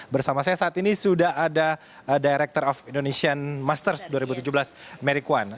bersama saya saat ini sudah ada director of indonesian masters dua ribu tujuh belas mary kwan